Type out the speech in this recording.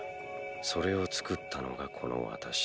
それを作ったのがこの私だ。